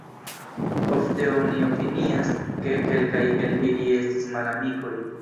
Ofte oni opinias, ke kelkaj el ili estis malamikoj.